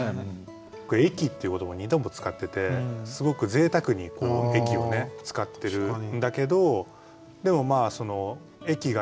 「駅」っていう言葉を２度も使っててすごくぜいたくに「駅」を使ってるんだけどでもその「駅が」